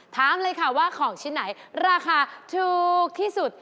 ถามเลยค่ะว่าของชิ้นไหนราคาถูกที่สุด